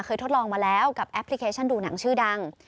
ทดลองมาแล้วกับแอปพลิเคชันดูหนังชื่อดัง